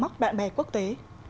các du khách quốc tế